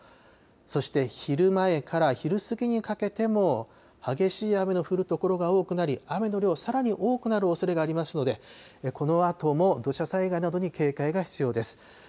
そして、昼前から昼過ぎにかけても激しい雨の降る所が多くなり、雨の量、さらに多くなるおそれがありますので、このあとも土砂災害などに警戒が必要です。